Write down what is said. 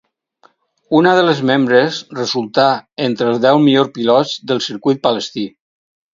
Una de les membres resultà entre els deu millors pilots del circuit palestí.